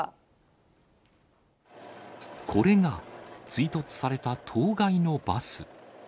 これが追突された当該のバス。